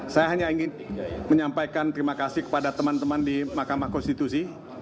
saya hanya ingin menyampaikan terima kasih kepada teman teman di mahkamah konstitusi